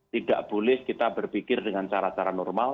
tidak boleh kita berpikir dengan cara cara normal